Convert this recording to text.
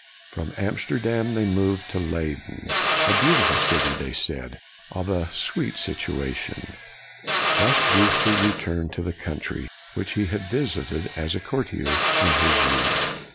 From Amsterdam, they moved to Leyden :" a beautiful city," they said, " of a sweet situation. r Thus Brewster returned to the country which he had visited as a courtier in his youth.